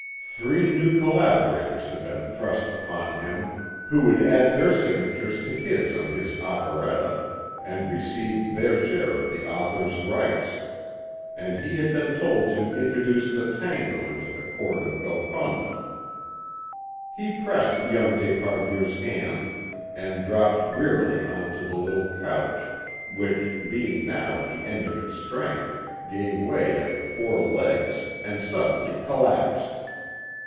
Three new collaborators had been thrust upon him who would add their signatures to his on his operetta, and receive their share of the author's rights, and he had been told to introduce the tango into the Court of Golconda. He pressed young d'Esparvieu's hand and dropped wearily on to the little couch, which, being now at the end of its strength, gave way at the four legs and suddenly collapsed.